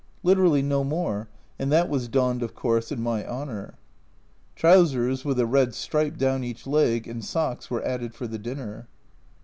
! Literally no more, and that was donned of course in my honour. Trousers with a red stripe down each leg, and socks, were added for the dinner.